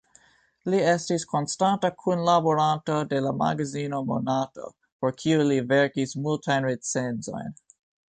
Li estis konstanta kunlaboranto de la magazino "Monato", por kiu li verkis multajn recenzojn.